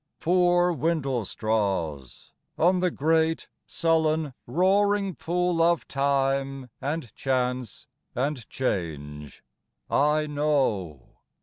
Poor windlestraws On the great, sullen, roaring pool of Time And Chance and Change, I know!